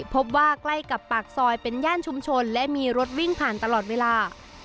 พบว่าใกล้กับปากซอยเป็นย่านชุมชนและมีรถวิ่งผ่านตลอดเวลา